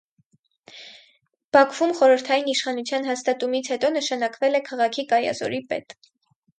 Բաքվում խորհրդային իշխանության հաստատումից հետո նշանակվել է քաղաքի կայազորի պետ։